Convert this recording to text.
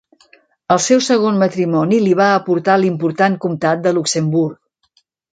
El seu segon matrimoni li va aportar l'important comtat de Luxemburg.